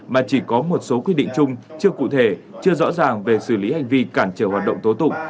mà chỉ có một số quy định chung chưa cụ thể chưa rõ ràng về xử lý hành vi cản trở hoạt động tố tụng